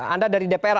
anda dari dpr